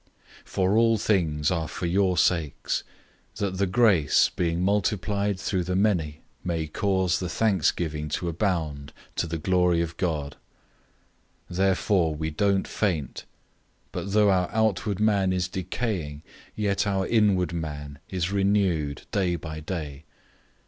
004:015 For all things are for your sakes, that the grace, being multiplied through the many, may cause the thanksgiving to abound to the glory of God. 004:016 Therefore we don't faint, but though our outward man is decaying, yet our inward man is renewed day by day.